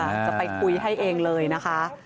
จะไปคุยให้เองเลยนะคะ